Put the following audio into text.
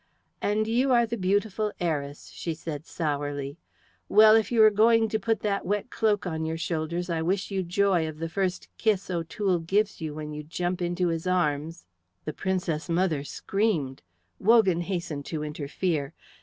"And you are the beautiful heiress," she said sourly. "Well, if you are going to put that wet cloak on your shoulders, I wish you joy of the first kiss O'Toole gives you when you jump into his arms." The Princess mother screamed; Wogan hastened to interfere.